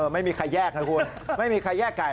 ไม่มีใครแยกนะคุณไม่มีใครแยกไก่